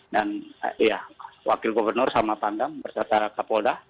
dan ya wakil gubernur sama pandem bersama kapolda